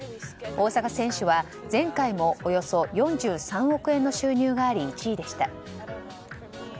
大坂選手は前回もおよそ４３億円の収入があり１位でした。